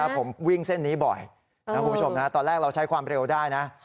ผมวิ่งเส้นนี้บ่อยนะคุณผู้ชมนะตอนแรกเราใช้ความเร็วได้นะ